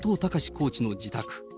コーチの自宅。